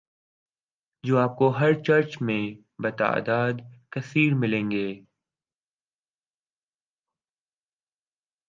جو آپ کو ہر چرچ میں بتعداد کثیر ملیں گے